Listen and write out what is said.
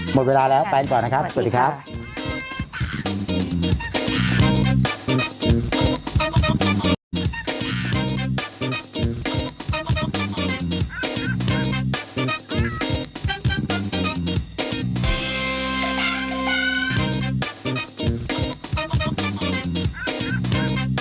หมดเวลาแล้วไปก่อนนะครับสวัสดีครับ